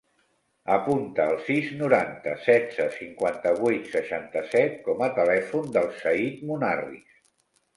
Apunta el sis, noranta, setze, cinquanta-vuit, seixanta-set com a telèfon del Zaid Munarriz.